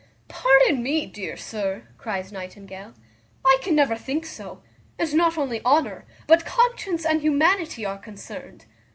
"Pardon me, dear sir," cries Nightingale, "I can never think so; and not only honour, but conscience and humanity, are concerned.